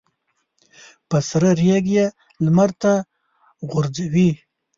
په سره ریګ یې لمر ته غورځوي.